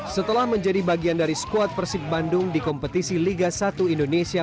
setelah menjadi bagian dari skuad persib bandung di kompetisi liga satu indonesia